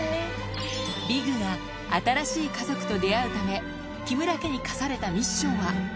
ビグが新しい家族と出会うため、木村家に課されたミッションは。